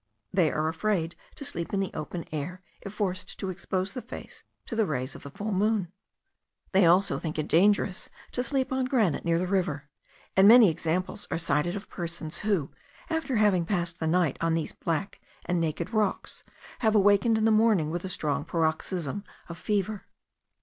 They are afraid to sleep in the open air, if forced to expose the face to the rays of the full moon. They also think it dangerous to sleep on granite near the river; and many examples are cited of persons, who, after having passed the night on these black and naked rocks, have awakened in the morning with a strong paroxysm of fever.